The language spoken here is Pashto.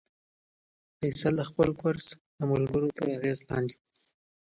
فیصل د خپل کورس د ملګرو تر اغېز لاندې و.